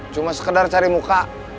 cuma sekedar cari muka